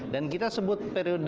dan kita sebut periode transit ini